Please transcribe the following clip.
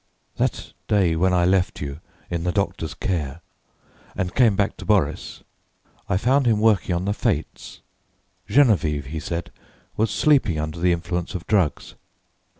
"That day when I left you in the doctor's care and came back to Boris, I found him working on the 'Fates.' Geneviève, he said, was sleeping under the influence of drugs.